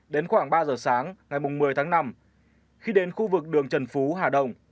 đến khoảng ba giờ sáng ngày một mươi tháng năm khi đến khu vực đường trần phú hà đông